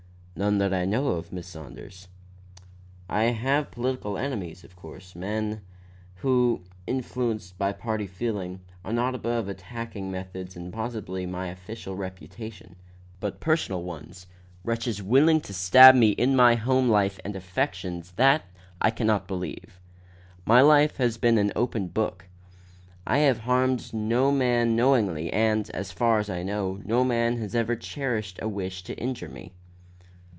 "None that I know of, Miss Saunders. I have political enemies, of course men, who, influenced by party feeling, are not above attacking methods and possibly my official reputation; but personal ones wretches willing to stab me in my home life and affections, that I can not believe. My life has been as an open book. I have harmed no man knowingly and, as far as I know, no man has ever cherished a wish to injure me."